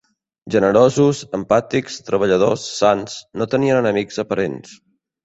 Generosos, empàtics, treballadors, sans, no tenien enemics aparents.